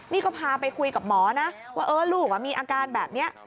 นี่ก็พาไปคุยกับหมอนะว่าลูกมีอาการแบบนี้